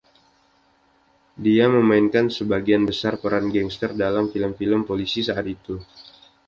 Dia memainkan sebagian besar peran gangster dalam film-film polisi saat itu.